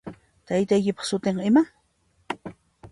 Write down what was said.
Taytaykipaq sutin iman?